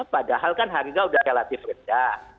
padahal kan harga sudah relatif rendah